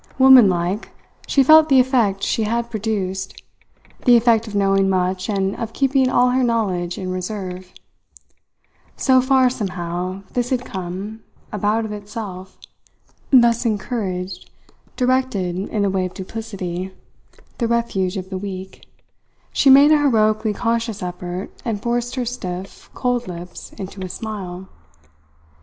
Womanlike, she felt the effect she had produced, the effect of knowing much and of keeping all her knowledge in reserve. So far, somehow, this had come, about of itself. Thus encouraged, directed in the way of duplicity, the refuge of the weak, she made a heroically conscious effort and forced her stiff, cold lips into a smile.